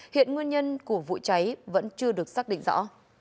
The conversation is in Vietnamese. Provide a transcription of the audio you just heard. hiện nguyên nhân của vụ cháy vẫn chưa được xác định rõ